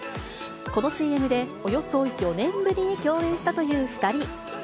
このＣＭでおよそ４年ぶりに共演したという２人。